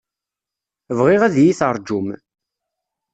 Bɣiɣ ad yi-terjum.